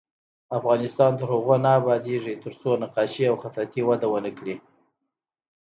افغانستان تر هغو نه ابادیږي، ترڅو نقاشي او خطاطي وده ونه کړي.